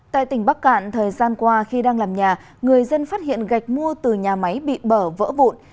tại tỉnh bắc cạn thời gian qua khi đang làm nhà người dân phát hiện gạch mua từ nhà máy bị bở vỡ vụn